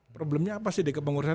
problemnya apa sih di kepengurusan